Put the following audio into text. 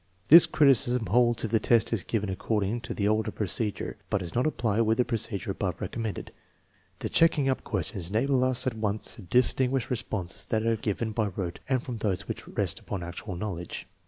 This criticism holds if the test is given according to the older procedure, but does not apply with the procedure above recommended. The " checking up " questions enable us at once to dis tinguish responses that are given by rote from those which rest upon actual knowledge.